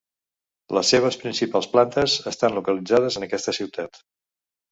Les seves principals plantes estan localitzades en aquesta ciutat.